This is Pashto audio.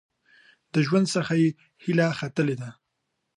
د ژوند څخه یې هیله ختلې ده .